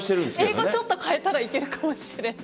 英語、ちょっと変えたらいけるかもしれない。